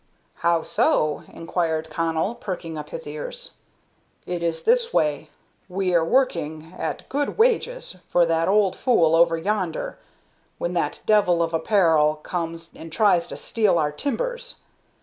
"How so?" inquired Connell, pricking up his ears. "It is this way: We are working, at good wages, for the old fool over yonder, when that devil of a Per'l comes and tries to steal our timbers.